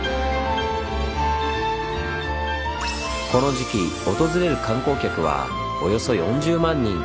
この時期訪れる観光客はおよそ４０万人。